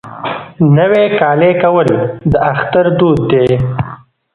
نوی کالی کول د اختر دود دی.